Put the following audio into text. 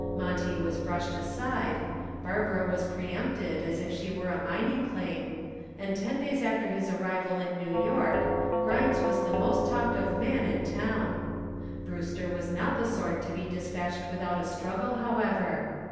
Monty was brushed aside, Barbara was preempted as if she were a mining claim and ten days after his arrival in New York, Grimes was the most talked of man in town. Brewster was not the sort to be dispatched without a struggle, however.